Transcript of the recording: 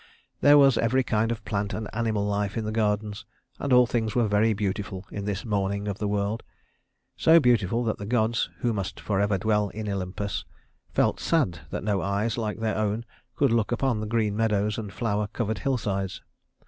There was every kind of plant and animal life in the gardens, and all things were very beautiful in this morning of the world so beautiful that the gods, who must forever dwell in Olympus, felt sad that no eyes like their own could look upon the green meadows and flower covered hillsides.